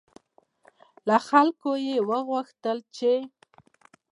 له خلکو یې وغوښتل چې